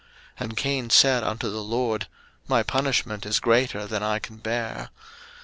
01:004:013 And Cain said unto the LORD, My punishment is greater than I can bear.